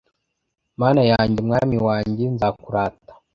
Mana yanjye mwami wanjye nzakurata